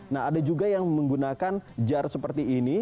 nah ada juga yang menggunakan jar seperti ini